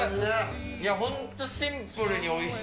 いや、本当シンプルにおいしい。